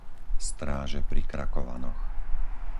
Stráže pri Krakovanoch